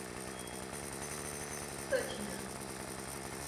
Samec má kořen ocasu silnější než samice.